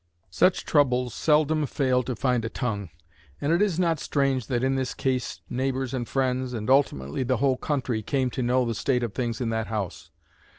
Such troubles seldom fail to find a tongue; and it is not strange that in this case neighbors and friends, and ultimately the whole country, came to know the state of things in that house.